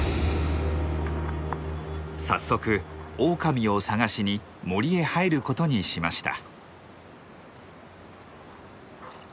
早速オオカミを探しに森へ入ることにしました。